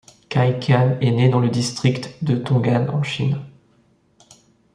Cai Qian est né dans le district de Tong'an, en Chine.